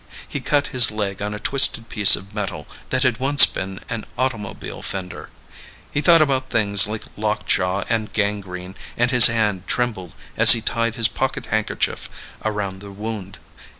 He cut his leg on a twisted piece of metal that had once been an automobile fender. He thought about things like lock jaw and gangrene and his hand trembled as he tied his pocket handkerchief around the wound.